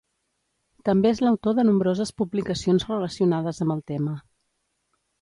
També és l'autor de nombroses publicacions relacionades amb el tema.